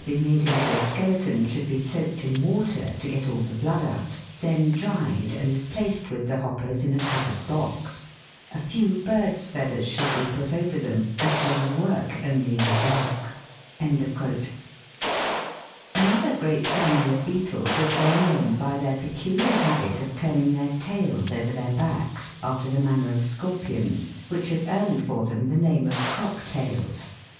221 be made into a skeleton should be soaked in water, to get all the blood out, then dried and placed with the hoppers in a covered box; a few birds' feathers should be put over them, as they will work only in the dark." Another great family of beetles is well known by their Fig. 45. THE DKVIL'S COACH HORSE. peculiar habit of turning their tails over their backs, after the manner of scorpions, which has earned for them the name of Cock tails.